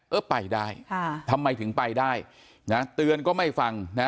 เออไปได้ทำไมถึงไปได้นะเตือนก็ไม่ฟังนะ